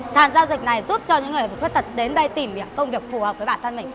sàn giao dịch này giúp cho những người khuyết tật đến đây tìm công việc phù hợp với bản thân mình